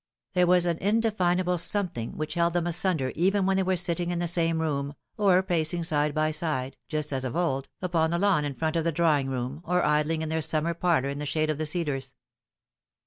There was an indefinable something which held them asunder even when they were sitting in the same room, or pacing side by side, just as of old, upon the lawn in front of the drawing room, or idling in their summer parlour in the shade of the cedars.